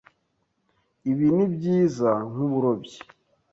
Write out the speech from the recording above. Ibi nibyiza nkuburobyi.